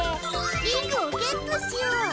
リングをゲットしよう！